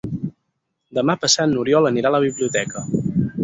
Demà passat n'Oriol anirà a la biblioteca.